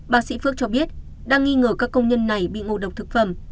bác sĩ phước cho biết đang nghi ngờ các công nhân này bị ngộ độc thực phẩm